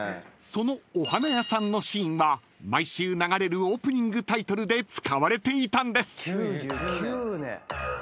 ［そのお花屋さんのシーンは毎週流れるオープニングタイトルで使われていたんです］